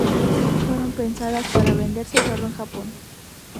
Fueron pensadas para venderse solo en Japón.